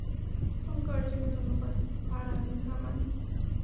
Phone করার জন্য ধন্যবাদ, পারান্ধামান।